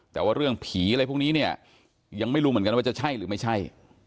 แต่ว่าเรื่องผีอะไรพวกนี้เนี่ยยังไม่รู้เหมือนกันว่าจะใช่หรือไม่ใช่